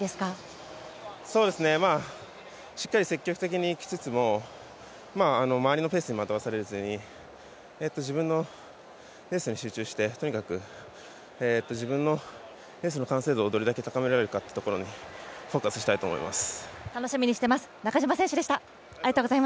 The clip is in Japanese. しっかり積極的にいきつつも周りのペースに惑わされずに自分のレースに集中してとにかく自分のレースの完成度をどれだけ高められるかにフォーカスしたいと思います。